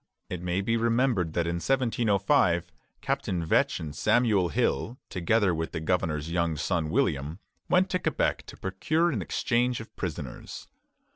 It may be remembered that in 1705 Captain Vetch and Samuel Hill, together with the governor's young son William, went to Quebec to procure an exchange of prisoners.